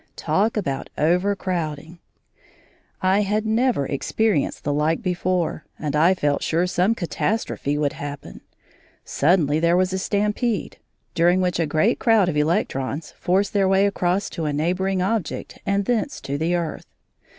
Talk about overcrowding! I had never experienced the like before, and I felt sure some catastrophe would happen. Suddenly there was a stampede, during which a great crowd of electrons forced their way across to a neighbouring object and thence to the earth.